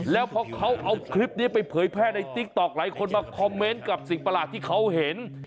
แล้วพอเขาเอาคลิปนี้ไปเผยแพร่ในติ๊กต๊อกหลายคนมาคอมเมนต์กับสิ่งประหลาดที่เขาเห็น